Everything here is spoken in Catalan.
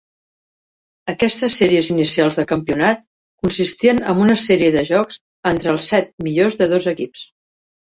Aquestes sèries inicials del campionat consistien en una sèrie de jocs entre els set millors de dos equips.